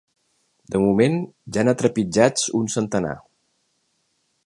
De moment, ja n’ha trepitjats un centenar.